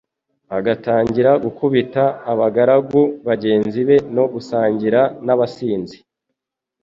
agatangira gukubita abagaragu bagenzi be no gusangira n'abasinzi,